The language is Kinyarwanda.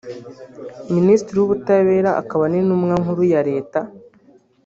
Minisitiri w’ubutabera akaba n’intumwa nkuru ya Leta